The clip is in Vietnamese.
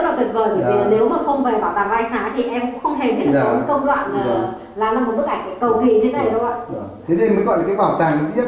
thế nên mới gọi là cái bảo tàng diễn bản duy nhất của việt nam